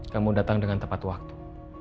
kamu datang dengan tepat waktu